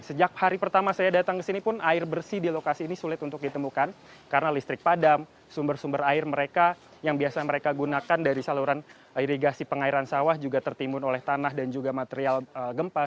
sejak hari pertama saya datang ke sini pun air bersih di lokasi ini sulit untuk ditemukan karena listrik padam sumber sumber air mereka yang biasa mereka gunakan dari saluran irigasi pengairan sawah juga tertimbun oleh tanah dan juga material gempa